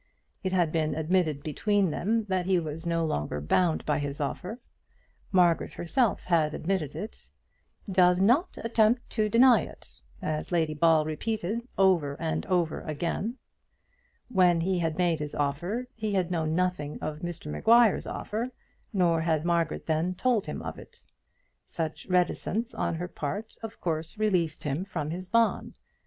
It had been admitted between them that he was no longer bound by his offer. Margaret herself had admitted it, "does not attempt to deny it," as Lady Ball repeated over and over again. When he had made his offer he had known nothing of Mr Maguire's offer, nor had Margaret then told him of it. Such reticence on her part of course released him from his bond.